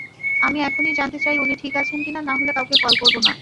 আমি এখনই জানতে চাই উনি ঠিক আছেন কিনা নাহলে কাউকে কল করব না।